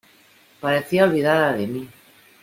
parecía olvidada de mí.